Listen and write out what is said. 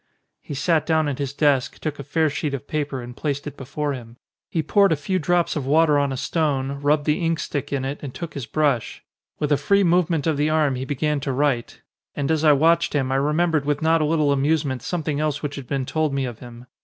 He sat down at his desk, took a fair sheet of paper, and placed it before him. He poured a few drops of water on a stone, rubbed the ink stick in it, and took his brush. With a free move ment of the arm he began to write. And as I 155 OX A CHINESE SCREEN watched him I remembered with not a little amuse ment something else which had been told me of him.